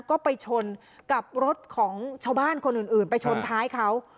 ก็ไปชนกับรถของชาวบ้านคนอื่นไปชนท้ายเขา